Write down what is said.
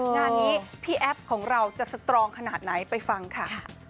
งานนี้พี่แอฟของเราจะสตรองขนาดไหนไปฟังค่ะ